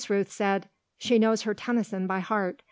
Rooth said: "She knows her Tennyson by heart.